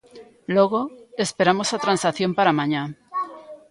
Logo, esperamos á transacción para mañá.